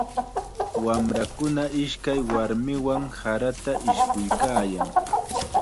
Wamrakuna ishkay warmiwan sarata ishkuykaayan.